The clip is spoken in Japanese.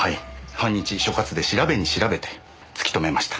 半日所轄で調べに調べて突き止めました